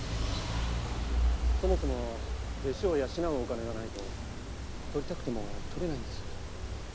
そもそも弟子を養うお金がないととりたくてもとれないんです。